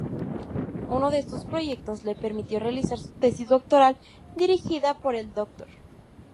Uno de estos proyectos le permitió realizar su tesis doctoral, dirigida por el Dr.